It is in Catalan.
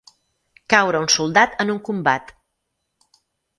Caure un soldat en un combat.